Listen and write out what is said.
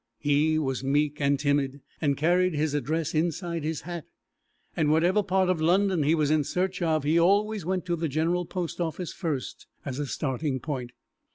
He was meek and timid and carried his address inside his hat, and whatever part of London he was in search of he always went to the General Post office first as a starting point.